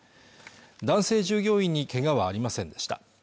男性従業員にけがはありませんでした